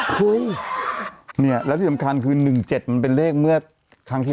เฮ้ยเนี่ยแล้วที่สำคัญคือ๑๗มันเป็นเลขเมื่อครั้งที่๑